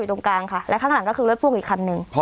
ตรงกลางค่ะและข้างหลังก็คือรถพ่วงอีกคันหนึ่ง